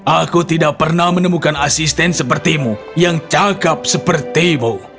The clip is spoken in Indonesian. aku tidak pernah menemukan asisten sepertimu yang cakep sepertimu